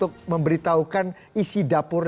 kenapa dari presiden